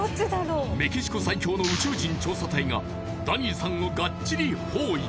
メキシコ最強の宇宙人調査隊がダニーさんをガッチリ包囲